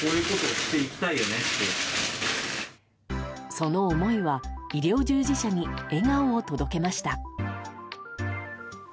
その思いは医療従事者に笑顔を届けました。